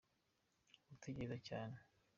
gutekereza cyane.